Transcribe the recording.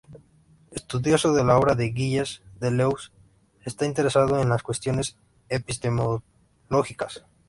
Estudioso de la obra de Gilles Deleuze, está interesado en las cuestiones epistemológicas.